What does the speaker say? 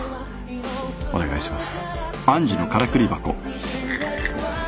お願いします。